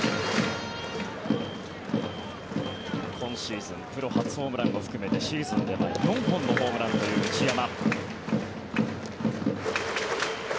今シーズンプロ初ホームランを含めてシーズンでも４本のホームランという内山。